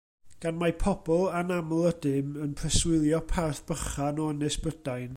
Gan mai pobl anaml ydym, yn preswylio parth bychan o Ynys Brydain.